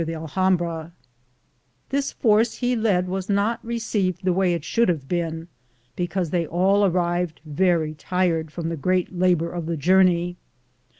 The force he led was not received the way it should have been, because they all arrived very tired from the great labor of the journey.